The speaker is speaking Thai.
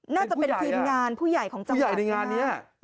น่าจะเป็นทีมงานผู้ใหญ่ของจังหวัดนี้นะ